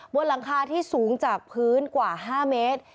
บนหลังคาที่สูงจากพื้นกว่า๕เมตร